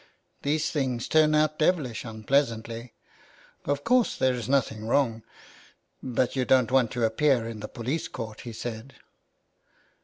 These things turn out devilish unpleasantly. Of course there is nothing wrong, but you don't want to appear in the police court,' he said."